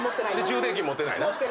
充電器持ってないな。